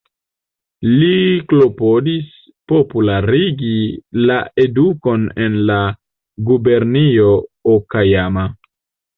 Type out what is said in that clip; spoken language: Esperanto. Li klopodis popularigi la edukon en la gubernio Okajama.